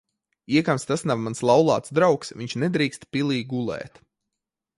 Iekams tas nav mans laulāts draugs, viņš nedrīkst pilī gulēt.